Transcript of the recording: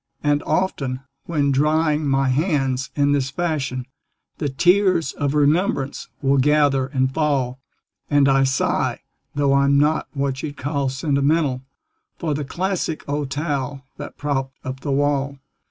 And often, when drying my hands in this fashion, The tears of remembrance will gather and fall, And I sigh (though I'm not what you'd call sentimental) For the classic old towel that propped up the wall.